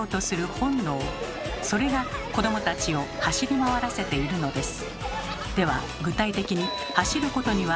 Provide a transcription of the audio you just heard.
それが子どもたちを走り回らせているのです。